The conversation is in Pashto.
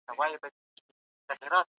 هارود او دومار د یو تابع په توګه وده ښودله.